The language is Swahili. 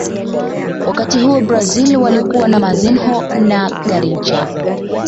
Wakati huo brazil walikuwa na mazinho na garincha